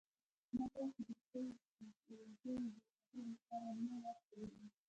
ما تاسو د خپل زوی د خبرو لپاره نه یاست بللي